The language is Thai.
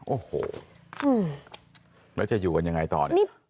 โอ้โหแล้วจะอยู่กันยังไงตอนนี้